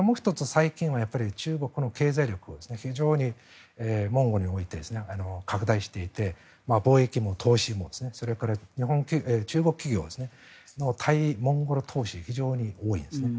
最近は中国の経済力が非常にモンゴルにおいて拡大していて貿易も投資も、それから中国企業の対モンゴル投資非常に多いんですね。